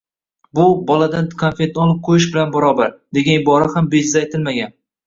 “Bu, boladan konfetini olib qo‘yish bilan barobar”, degan ibora ham bejiz aytilmagan.